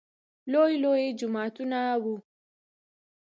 لوى لوى جوماتونه وو.